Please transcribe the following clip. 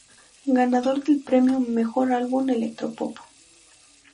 Ganador del premio: Mejor Álbum Electro Pop.